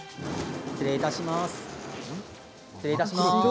失礼いたします。